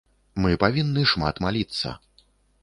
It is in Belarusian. Мы павінны шмат маліцца.